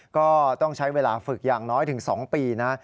ก็ต้องใช้เวลาฝึกอย่างน้อยถึง๒ปีนะ